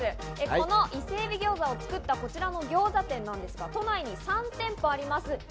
この伊勢海老餃子を作ったこちらのギョーザ店なんですが、都内に３店舗あります。